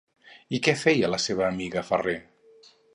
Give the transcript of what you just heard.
I què feia la seva amiga Ferrer?